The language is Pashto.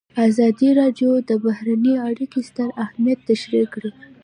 ازادي راډیو د بهرنۍ اړیکې ستر اهميت تشریح کړی.